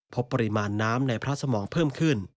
พบปริมาณน้ำในพระสมองเพิ่มขึ้น